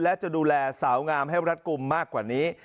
และจะดูแลสาวงามให้รัดกลุ่มมากกว่านี้